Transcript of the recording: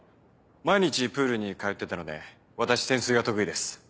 毎日プールに通ってたので私潜水が得意です。